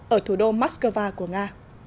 ở thủ đô moscow của nga